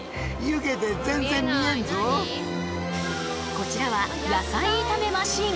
こちらは野菜炒めマシン。